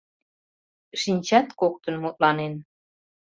Шинчат коктын мутланен